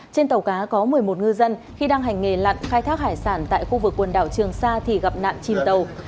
trên tàu cá có một mươi một ngư dân khi đang hành nghề lặn khai thác hải sản tại khu vực quần đảo trường sa thì gặp nạn chìm tàu